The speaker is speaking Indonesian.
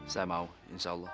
saya mau insya allah